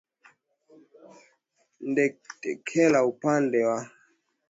ndeketela kwa upande ya yale ambayo ulitukusanyia